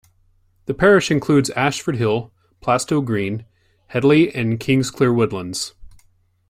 The parish includes Ashford Hill, Plastow Green, Headley and Kingsclere Woodlands.